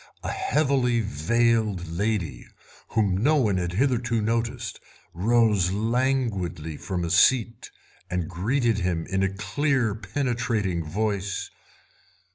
A heavily veiled lady, whom no one had hitherto noticed, rose languidly from a seat and greeted him in a clear, penetrating voice.